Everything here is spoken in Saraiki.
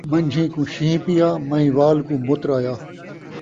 من٘جھیں کوں شین٘ہہ پیا ، مہن٘یوال کو مُتر آیا